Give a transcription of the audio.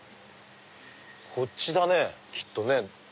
こっちだねきっとね。